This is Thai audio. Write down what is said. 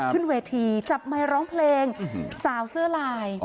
ขึ้นเวทีจับไมค์ร้องเพลงสาวเสื้อลาย